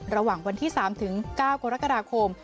ระหว่างวันที่๓ถึง๙กรกฎาคม